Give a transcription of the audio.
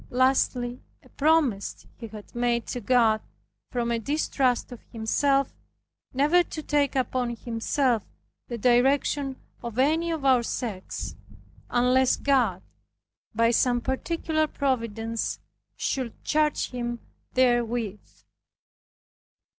Lastly, a promise he had made to God, from a distrust of himself, never to take upon himself the direction of any of our sex, unless God, by some particular providence, should charge him therewith.